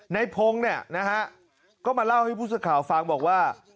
ในพงศ์เนี่ยนะฮะก็มาเล่าให้ผู้สื่อข่าวฟังบอกว่า